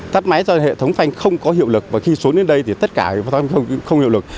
tắt máy do hệ thống phanh không có hiệu lực và khi xuống đến đây thì tất cả phương tiện không hiệu lực